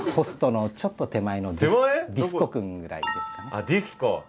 あっディスコ。